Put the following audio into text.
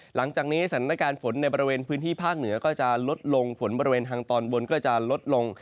หลังจากนี้สถานการณ์ฝนในบริเวณพื้นที่ภาคเหนือก็จะลดลงฝนบริเวณทางตอนบนก็จะลดลง